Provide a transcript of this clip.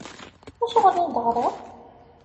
Acuɣeṛ i d-teɣṛiḍ?